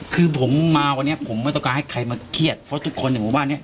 คือผมมาวันนี้ผมไม่ต้องการให้ใครมาเครียดเพราะทุกคนในหมู่บ้านนี้